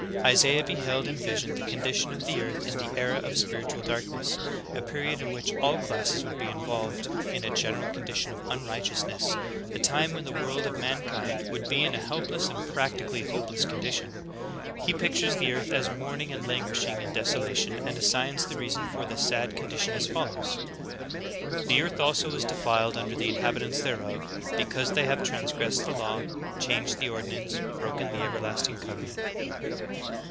Isaiah beheld in vision the condition of the earth in the era of spiritual darkness, a period in which all classes would be involved in a general condition of unrighteousness, a time when the world of ^See II Tim. 3: 1 6. / See Note 3, end of chapter. THE APOSTASY PREDICTED. 25 mankind would be in a helpless and practically hopeless con dition. He pictures the earth as mourning and languishing in desolation and assigns the reason for the sad condition as follows : "The earth also is defiled under the inhab itants thereof; because they have transgressed the laws, changed the ordinance, broken the everlasting covenant."